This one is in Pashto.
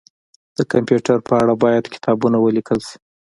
د کمپيوټر په اړه باید کتابونه ولیکل شي